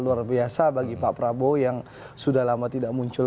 luar biasa bagi pak prabowo yang sudah lama tidak muncul